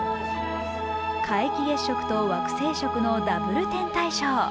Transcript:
皆既月食と惑星食のダブル天体ショー。